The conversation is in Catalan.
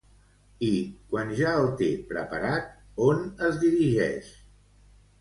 I quan ja el té preparat on es dirigeix?